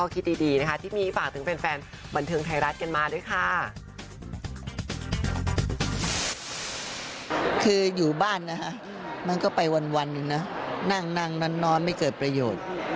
คืออยู่บ้านนะคะมันก็ไปวันหนึ่งนะนั่งนอนไม่เกิดประโยชน์